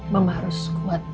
mama harus kuat